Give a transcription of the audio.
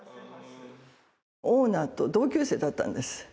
オーナーと同級生だったんです。